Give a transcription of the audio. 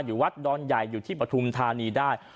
อยู่วัดดอนใหญ่อยู่ที่ปฐุมธานีได้